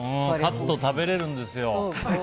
勝つと食べれるんですよ。